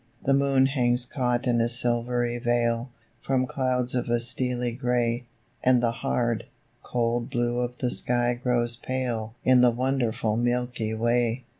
The moon hangs caught in a silvery veil, From clouds of a steely grey, And the hard, cold blue of the sky grows pale In the wonderful Milky Way.